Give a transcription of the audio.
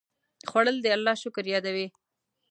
خوړل د الله شکر یادوي